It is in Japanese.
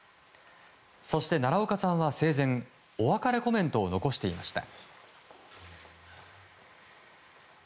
そして、奈良岡さんは生前お別れコメントを残していました。